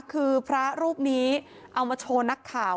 คือพระรูปนี้เอามาโชว์นักข่าว